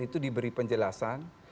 itu diberi penjelasan